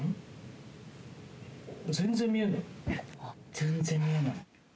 全然見えない。